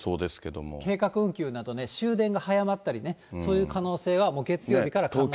計画運休などね、終電が早まったりね、そういう可能性はもう月曜日から考えられます。